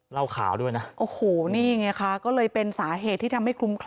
เหล้าขาวด้วยนะโอ้โหนี่ไงคะก็เลยเป็นสาเหตุที่ทำให้คลุ้มคลั